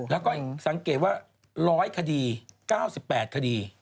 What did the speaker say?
แล้วก็สังเกตว่า๑๐๐คดี๙๘คดี